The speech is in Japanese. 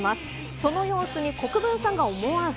その様子に国分さんが、思わず。